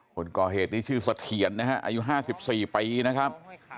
คนก่อเหตุนี้ชื่อเสถียรนะฮะอายุ๕๔ปีนะครับ